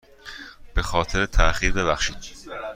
به خاطر تاخیر ببخشید.